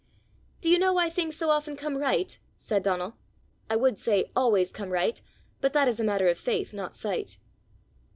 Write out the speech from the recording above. "Do you know why things so often come right?" said Donal. " I would say always come right, but that is a matter of faith, not sight."